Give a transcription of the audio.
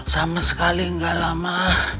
sama sekali gak lama